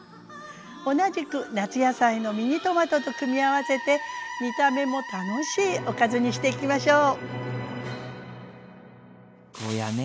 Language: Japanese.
同じく夏野菜のミニトマトと組み合わせて見た目も楽しいおかずにしていきましょう。